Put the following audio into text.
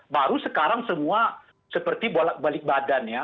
baru sekarang semua seperti balik badan ya